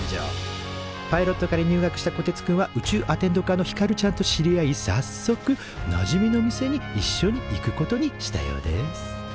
パイロット科に入学したこてつくんは宇宙アテンド科のひかるちゃんと知り合いさっそくなじみの店にいっしょに行くことにしたようです